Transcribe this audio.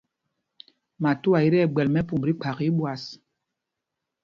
Matauá í tí ɛgbɛl mɛ́pûmb tí kphak íɓwas.